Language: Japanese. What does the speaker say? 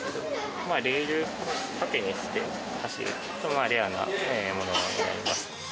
レールを縦にして走るレアなものになります。